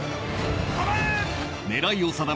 構え！